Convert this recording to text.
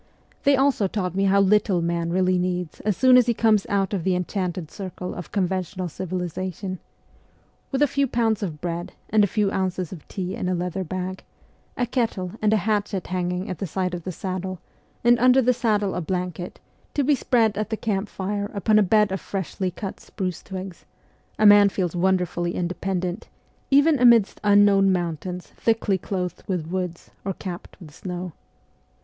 They also taught me how little man really needs as soon as he comes out of the enchanted circle of conventional civilization. With a few pounds of bread and a few ounces of tea in a leather bag, a kettle and a hatchet hanging at the side of the saddle, and under the saddle a blanket, to be spread at the camp fire upon a bed of freshly cut spruce twigs, a man feels wonderfully independent, even amidst unknown moun tains thickly clothed with woods or capped with snow.